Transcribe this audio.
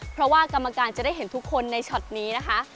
เพราะว่ากรรมการจะได้เห็นทุกคนในช็อตนี้นะคะ